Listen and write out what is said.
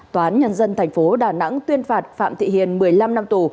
toán nhân dân thành phố đà nẵng tuyên phạt phạm thị hiền một mươi năm năm tù